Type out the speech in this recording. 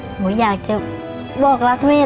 หนูอยากจะบอกรักแม่